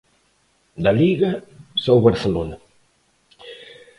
Da Liga só o Barcelona.